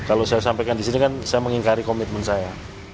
kalau saya sampaikan di sini kan saya mengingkari komitmen saya